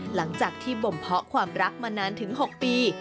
หลังจากที่บ่มเพาะความรักมานานถึง๖ปี